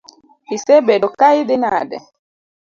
Isebedo ka idhi nade?